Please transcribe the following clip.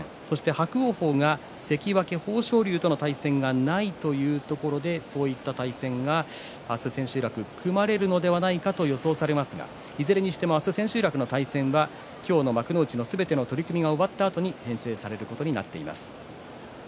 伯桜鵬は関脇豊昇龍との対戦がないというところでそういった対戦が明日の千秋楽で組まれるのではないかと予想されますがいずれにしても明日の千秋楽の対戦は今日の幕内のすべての取組が終わってから編成されることになっています。